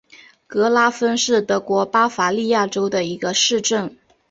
格拉芬是德国巴伐利亚州的一个市镇。